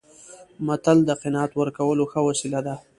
متل د قناعت ورکولو ښه وسیله ده